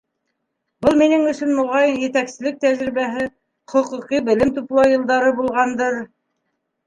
Был минең өсөн, моғайын, етәкселек тәжрибәһе, хоҡуҡи белем туплау йылдары булғандыр.